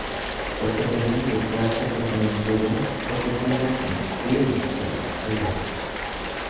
Das Unternehmen wird seither von seinem Sohn und dessen Neffen, Clemens Keller, geleitet.